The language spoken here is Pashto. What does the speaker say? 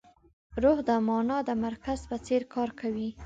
روح د مانا د مرکز په څېر کار کوي.